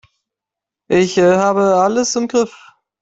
Ich habe alles im Griff.